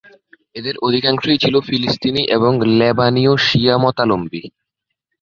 এদের অধিকাংশই ছিলো ফিলিস্তিনি এবং লেবানিয় শিয়া মতাবলম্বী।